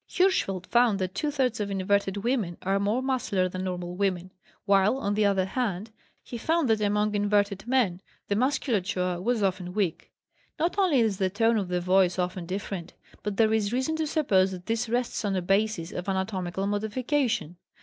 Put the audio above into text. Hirschfeld found that two thirds of inverted women are more muscular than normal women, while, on the other hand, he found that among inverted men the musculature was often weak. Not only is the tone of the voice often different, but there is reason to suppose that this rests on a basis, of anatomical modification.